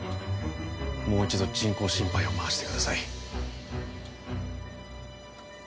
もう一度人工心肺を回してください